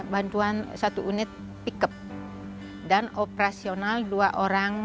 bantuan satu unit pick up dan operasional dua orang